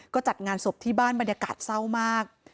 ก็จัดงานศพที่บ้านบรรยากาศเศร้ามาก